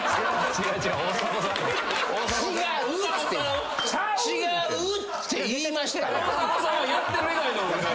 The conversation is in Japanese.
違うって言いましたやん。